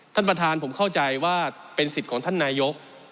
ท่านประธานผมเข้าใจว่าเป็นสิทธิ์ของท่านนายก